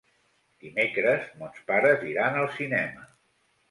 Dimecres mons pares iran al cinema.